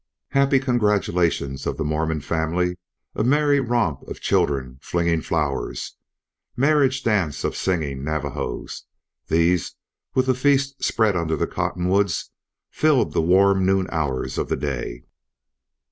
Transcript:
Happy congratulations of the Mormon family, a merry romp of children flinging flowers, marriage dance of singing Navajos these, with the feast spread under the cottonwoods, filled the warm noon hours of the day.